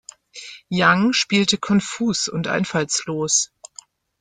Young spielte konfus und einfallslos.